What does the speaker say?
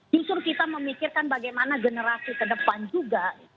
justru kita memikirkan bagaimana generasi kedepan juga